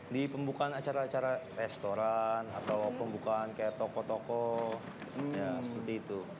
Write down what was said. di pembukaan acara acara restoran atau pembukaan kayak toko toko ya seperti itu